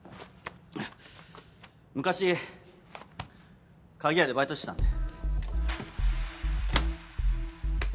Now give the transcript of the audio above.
昔鍵屋でバイトしてたんで。